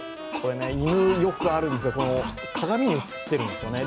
犬、よくあるんですが、鏡に映ってるんですよね。